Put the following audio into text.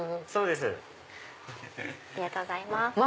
そうです。